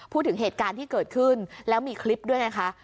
พูดถึงเหตุการณ์ที่เกิดขึ้นแล้วมีคลิปด้วยไงคะ